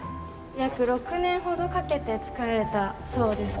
約６年ほどかけて作られたそうです。